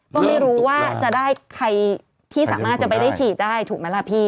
ก็ไม่รู้ว่าจะได้ใครที่สามารถจะไปได้ฉีดได้ถูกไหมล่ะพี่